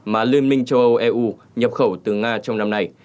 mà liên minh châu âu eu nhập khẩu từ nga trong năm nay